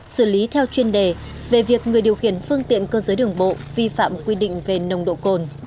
xử lý theo chuyên đề về việc người điều khiển phương tiện cơ giới đường bộ vi phạm quy định về nồng độ cồn